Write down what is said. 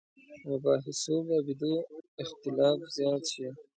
مباحثو بابېدو اختلاف زیات شي.